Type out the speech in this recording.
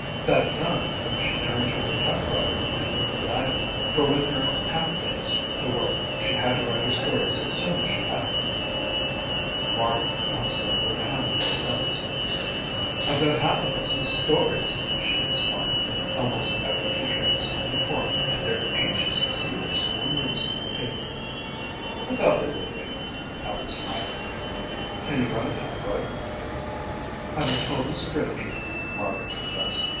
That done she turned to her typewriter and wrote the item, for with her half days to work she had to write her stories as soon as she had them. Margaret bounced in with a handful of notes. "I've got half a dozen school stories," she exclaimed. "Almost every teacher had something for me and they're anxious to see their school news in the paper." "I thought they would be," Helen smiled. "Can you run a typewriter?" "I'm a total stranger," Margaret confessed.